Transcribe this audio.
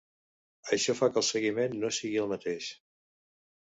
Això fa que el seguiment no sigui el mateix.